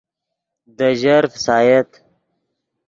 دے ژر فسایت